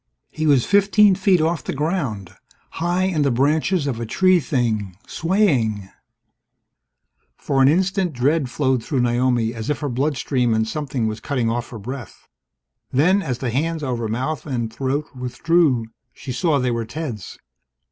He was fifteen feet off the ground, high in the branches of a tree thing, swaying For an instant, dread flowed through Naomi as if in her bloodstream and something was cutting off her breath. Then, as the hands over mouth and throat withdrew, she saw they were Ted's.